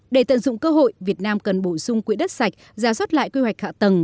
để tận dụng cơ hội việt nam cần bổ sung quỹ đất sạch giả soát lại quy hoạch hạ tầng